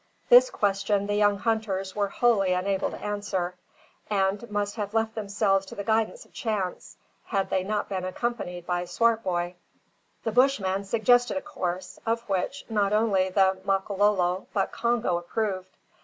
This question the young hunters were wholly unable to answer, and must have left themselves to the guidance of chance, had they not been accompanied by Swartboy. The Bushman suggested a course, of which, not only the Makololo, but Congo approved.